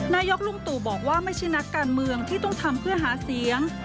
นายกลุงตู่บอกว่าไม่ใช่นักการเมืองที่ต้องทำเพื่อหาเสียง